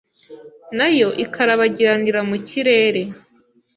na yo ikarabagiranira mu kirere,